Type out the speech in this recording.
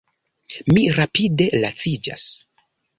Mi rapide laciĝas.